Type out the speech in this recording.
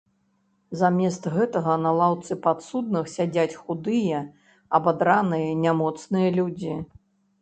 Замест гэтага на лаўцы падсудных сядзяць худыя, абадраныя, нямоцныя людзі.